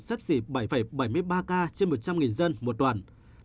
xét xỉ bảy bảy mươi ba ca trên một trăm linh dân một tuần